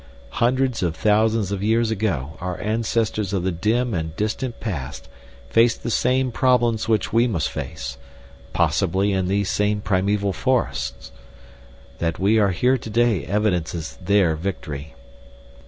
"Hundreds of thousands of years ago our ancestors of the dim and distant past faced the same problems which we must face, possibly in these same primeval forests. That we are here today evidences their victory.